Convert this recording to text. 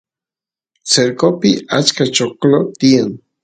cercopi achka choclo tiyan